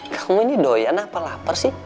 ya kamu ini doyan apa lapar sih